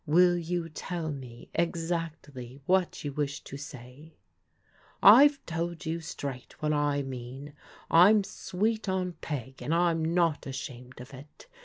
Will you tell me exactly what you wish to say?" " I've told you straight what I mean. I'm sweet on Peg, and I'm not ashamed of it.